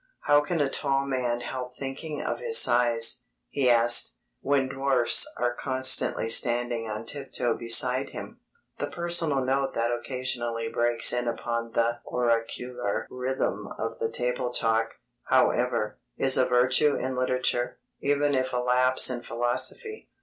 "How can a tall man help thinking of his size," he asked, "when dwarfs are constantly standing on tiptoe beside him?" The personal note that occasionally breaks in upon the oracular rhythm of the Table Talk, however, is a virtue in literature, even if a lapse in philosophy.